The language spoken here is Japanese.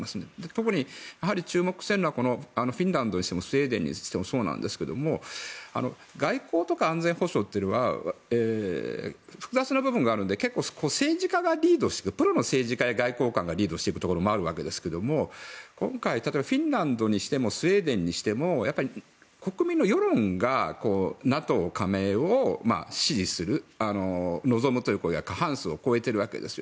特に注目しているのはフィンランドにしてもスウェーデンにしてもそうなんですけども外交とか安全保障というのは複雑な部分があるので、結構プロの政治家や外交官がリードしているところもあるわけですが今回例えばフィンランドにしてもスウェーデンにしても国民の世論がＮＡＴＯ加盟を支持する、臨むという声が過半数を超えているわけです。